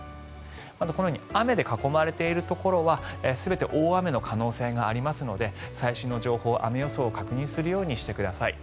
まず、このように青で囲まれているところは全て大雨の可能性がありますので最新の情報、雨予想を確認するようにしてください。